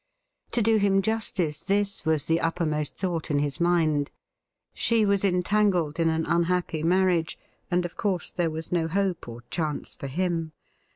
To do him justice, this was the uppermost thought in his mind. She was entangled in an unhappy marriage, and of course there was no hope or chance for him.